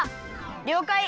りょうかい！